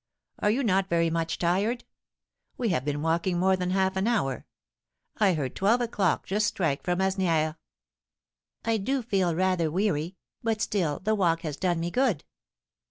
Are you not very much tired? We have been walking more than half an hour; I heard twelve o'clock just strike from Asnières." "I do feel rather weary, but still the walk has done me good."